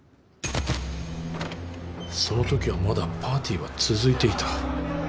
そのときはまだパーティーは続いていた。